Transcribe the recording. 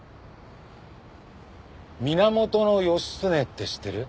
源義経って知ってる？